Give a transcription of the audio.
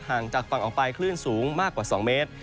ห่างจากฝั่งออกไปคลื่นสูงมากกว่า๒เมตร